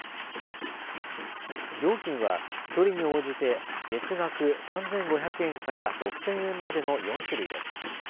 料金は距離に応じて月額３５００円から６０００円までの４種類です。